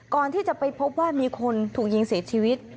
ก่อนที่จะไปพบว่ามีคนถูกยิงเสียชีวิต